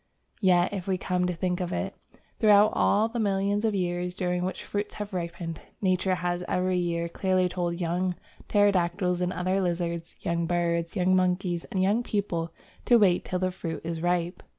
Yet if we come to think of it, throughout all the millions of years during which fruits have ripened, Nature has every year clearly told young pterodactyls and other lizards, young birds, young monkeys, and young people to wait till the fruit is ripe.